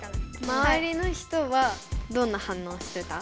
まわりの人はどんな反応してた？